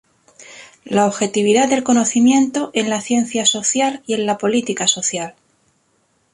La objetividad del conocimiento en la ciencia social y en la política social.